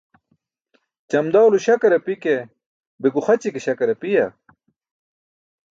Ćamdaw lo śakar api ke, be guxaći ke śakar apiya?